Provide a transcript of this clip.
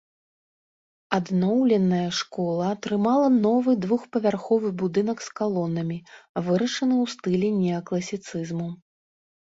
Адноўленая школа атрымала новы двухпавярховы будынак з калонамі, вырашаны ў стылі неакласіцызму.